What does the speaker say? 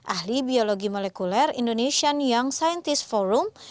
ahli biologi molekuler indonesian young scientist forum